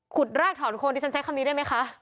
รากถอนโคนที่ฉันใช้คำนี้ได้ไหมคะ